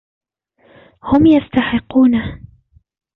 هم يستحقونه.